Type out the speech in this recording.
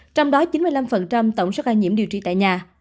trong đó chín mươi năm tổng số ca nhiễm điều trị tại nhà